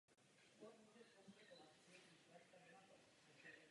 Strom roste v ulici mezi domem a severním svahem zarostlé stráně.